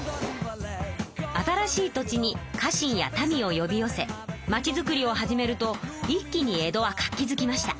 新しい土地に家臣やたみをよび寄せ町づくりを始めると一気に江戸は活気づきました。